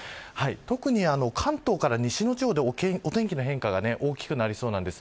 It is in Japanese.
特に関東から西の地方で天気の変化が大きくなりそうです。